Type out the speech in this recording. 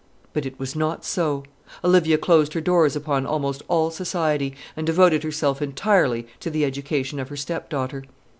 But it was not so; Olivia closed her doors upon almost all society, and devoted herself entirely to the education of her stepdaughter.